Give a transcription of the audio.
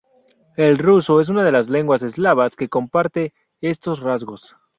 El ruso es una de las lenguas eslavas que comparte estos rasgos.